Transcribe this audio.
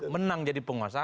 menang jadi penguasa